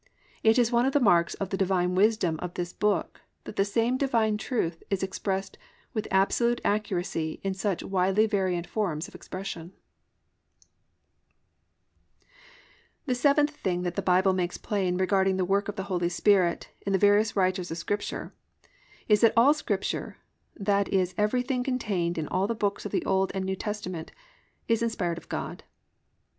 It is one of the marks of the Divine wisdom of this book that the same Divine truth is expressed with absolute accuracy in such widely variant forms of expression. VII. ALL SCRIPTURE IS INSPIRED OF GOD The seventh thing that the Bible makes plain regarding the work of the Holy Spirit in the various writers of Scripture, is that all Scripture, that is everything contained in all the books of the Old and New Testament, is inspired of God.